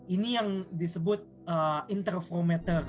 ini yang disebut interferometer